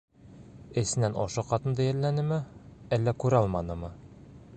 Эсенән ошо ҡатынды йәлләнеме, әллә күралманымы?